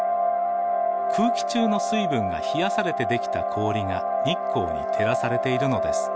空気中の水分が冷やされてできた氷が日光に照らされているのです。